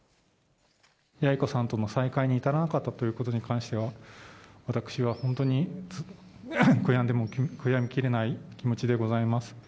八重子さんとの再会に至らなかったということに関しては、私は本当に悔やんでも悔やみきれない気持ちでございます。